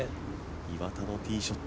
岩田のティーショット